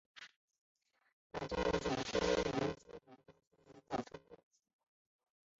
诸冢村是位于日本宫崎县北部的一个村。